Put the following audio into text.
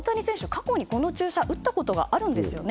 過去にこの注射を打ったことがあるんですね。